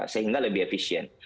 sehingga lebih efisien